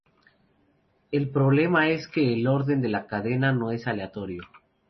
El problema es que el orden de la cadena no es aleatorio.